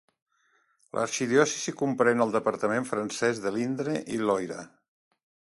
L'arxidiòcesi comprèn el departament francès de l'Indre i Loira.